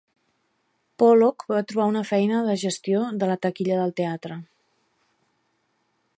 Pollock va trobar una feina de gestió de la taquilla del teatre.